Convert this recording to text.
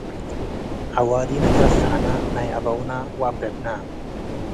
ዐዋዲነ ትረሳዕነ፣ ናይ አቡነ ወአብዕብነ